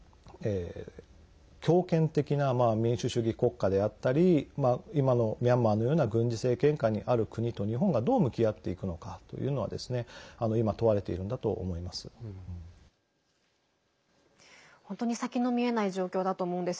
強権的な民主主義国家であったり今のミャンマーのような軍事政権下にある国と日本が、どう向き合っていくのかというのは今、問われているんだと思います。